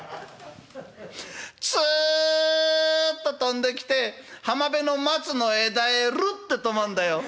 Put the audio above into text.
つっと飛んできて浜辺の松の枝へるって止まんだよ。